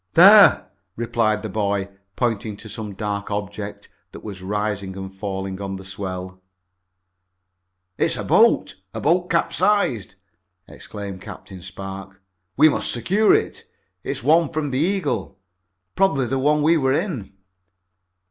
"There," replied the boy, pointing to some dark object that was rising and falling on the swell. "It's a boat! A boat capsized!" exclaimed Captain Spark. "We must secure it. It's one from the Eagle. Probably the one we were in."